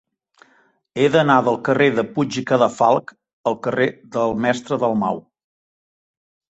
He d'anar del carrer de Puig i Cadafalch al carrer del Mestre Dalmau.